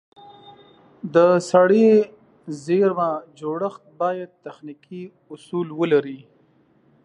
د سړې زېرمه جوړښت باید تخنیکي اصول ولري.